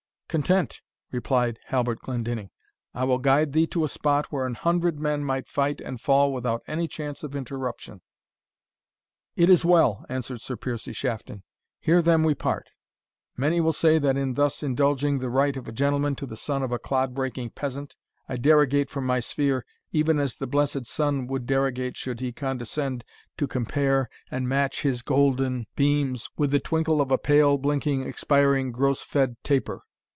"Content," replied Halbert Glendinning: "I will guide thee to a spot where an hundred men might fight and fall without any chance of interruption." "It is well," answered Sir Piercie Shafton. "Here then we part. Many will say, that in thus indulging the right of a gentleman to the son of a clod breaking peasant, I derogate from my sphere, even as the blessed sun would derogate should he condescend to compare and match his golden beams with the twinkle of a pale, blinking, expiring, gross fed taper.